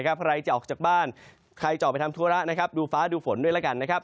ใครจะออกจากบ้านใครจะออกไปทำธุระดูฟ้าดูฝนด้วยล่ะกัน